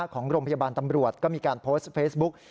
ของโรงพยาบาลตำรวจก็มีการโพสต์เฟซบุ๊ก